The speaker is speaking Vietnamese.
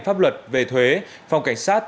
pháp luật về thuế phòng cảnh sát